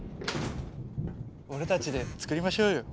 俺たちで作りましょうよ。